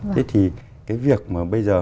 thế thì cái việc mà bây giờ